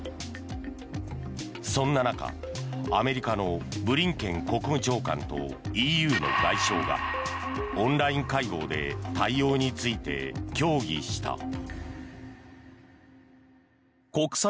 そんな中アメリカのブリンケン国務長官とＥＵの外相がオンライン会合で対応について協議した。